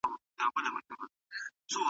خیرات ورکول د ټولني ترمنځ مینه زیاتوي.